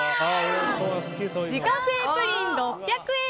自家製プリン、６００円。